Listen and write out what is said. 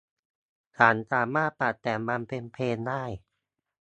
ฉันสามารถปรับแต่งมันเป็นเพลงได้